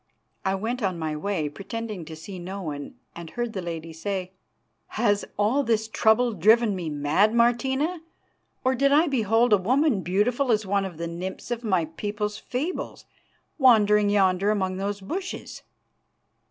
I went on my way, pretending to see no one, and heard the lady say: "'Has all this trouble driven me mad, Martina, or did I behold a woman beautiful as one of the nymphs of my people's fables wandering yonder among those bushes?